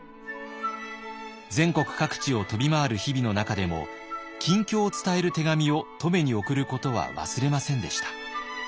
全国各地を飛び回る日々の中でも近況を伝える手紙を乙女に送ることは忘れませんでした。